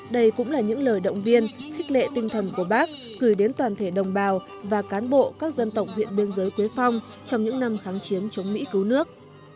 đây cũng là những lời động viên khích lệ tinh thần của bác gửi đến toàn thể đồng bào và cán bộ các dân tộc huyện biên giới quế phong trong những năm kháng chiến chống mỹ cứu nước